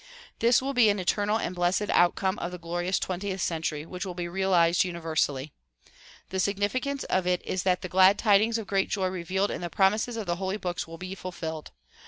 This will be an eternal and blessed outcome of the glorious twentieth century which will be realized universally. The significance of it is that the glad tidings of great joy revealed in the promises of the holy books will be fulfilled.